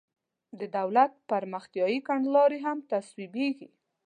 د دولت پرمختیایي کړنلارې هم تصویبیږي.